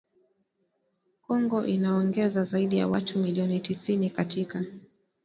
Kongo inaongeza zaidi ya watu milioni tisini katika